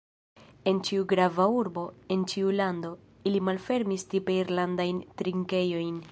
En ĉiu grava urbo, en ĉiu lando, ili malfermas “tipe irlandajn trinkejojn.